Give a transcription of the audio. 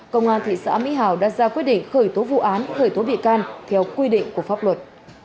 công an thị xã mỹ hào đã ra quyết định khởi tố vụ án khởi tố bị can theo quy định của pháp luật